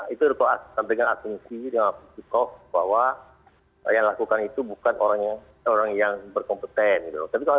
itu dengan atensi dengan sikap bahwa yang lakukan itu bukan orang yang berkompetensi